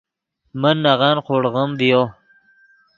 من نغن خوڑغیم ڤیو